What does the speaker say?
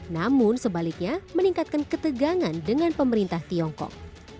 namun sebaliknya meningkatkan ketegangan dengan pemerintah tiongkok